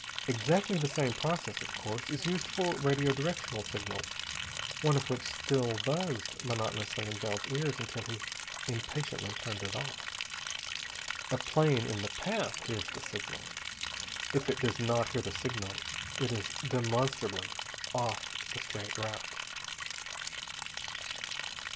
Exactly the same process, of course, is used for radio directional signals, one of which still buzzed monotonously in Bell's ears until he impatiently turned it off. A plane in the path hears the signal. If it does not hear the signal, it is demonstrably off the straight route.